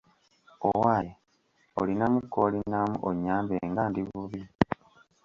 Owaaye olinamu koolinamu onnyambe nga ndi bubi.